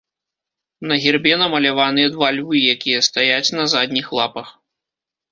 На гербе намаляваныя два львы, якія стаяць на задніх лапах.